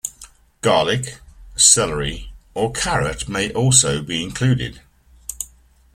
Garlic, celery, or carrot may also be included.